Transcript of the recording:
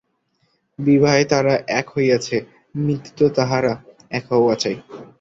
বিবাহে তাঁহারা এক হইয়াছিলেন, মৃত্যুতেও তাঁহাদের এক হওয়া চাই।